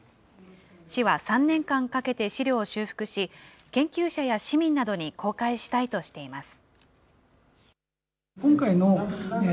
市は３年間かけて資料を修復し、研究者や市民などに公開したいとしています。